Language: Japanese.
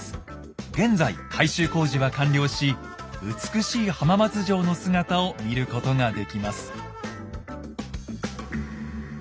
現在改修工事は完了し美しい浜松城の姿を見ることができます。